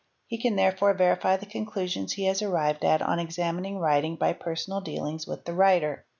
He can therefore verify the conclusions he has arrived at on examining writing by personal dealings with the writer.